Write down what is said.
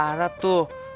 ke arab tuh